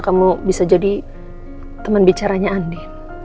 kamu bisa jadi teman bicaranya andi